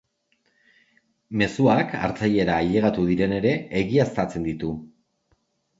Mezuak hartzailera ailegatu diren ere egiaztatzen ditu.